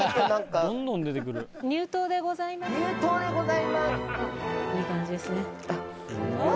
いい感じですね。